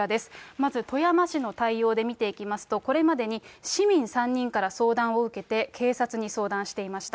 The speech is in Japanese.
まず富山市の対応で見ていきますと、これまでに市民３人から相談を受けて、警察に相談していました。